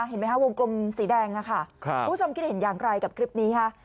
เห็นไหมคะวงกลมสีแดงค่ะคุณผู้ชมคิดเห็นอย่างไรกับคลิปนี้ค่ะ